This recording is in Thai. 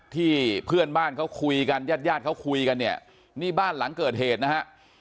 ที่เพื่อนบ้านเขาคุยกันญาติญาติเขาคุยกันเนี่ยนี่บ้านหลังเกิดเหตุนะฮะ